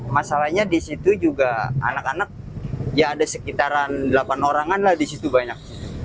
masalahnya di situ juga anak anak ya ada sekitaran delapan orangan lah di situ banyak